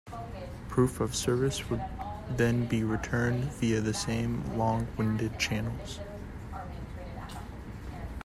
Proof of service would then be returned via the same long winded channels.